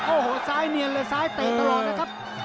โอ้โหซ้ายเนียนเลยซ้ายเตะตลอดนะครับ